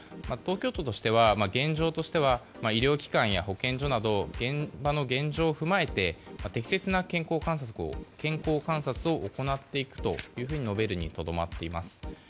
東京都としては現状としては医療機関や保健所など現場の現状を踏まえて適切な健康観察を行っていくと述べるにとどまっています。